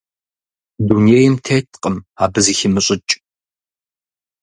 Дунейм теткъым абы зыхимыщӀыкӀ.